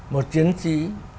một chiến sĩ